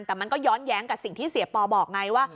แต่มันก็ย้อนแย้งกับสิ่งที่เสียปอบอกไงว่า